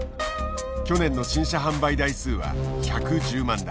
去年の新車販売台数は１１０万台。